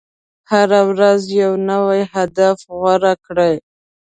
هره ورځ یو نوی هدف غوره کړئ.